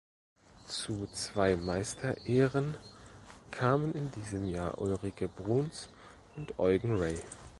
Zu zwei Meisterehren kamen in diesem Jahr Ulrike Bruns und Eugen Ray.